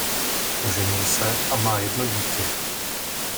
Oženil se a má jedno dítě.